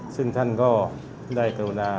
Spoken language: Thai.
สวัสดีครับ